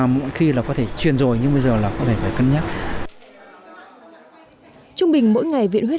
mỗi khi là có thể truyền rồi nhưng bây giờ là có thể phải cân nhắc trung bình mỗi ngày viện huyết